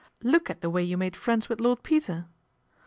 Look at the way you made friends with Lord eter."